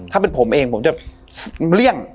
ถ้าเป็นผมเองผมจะเลี่ยง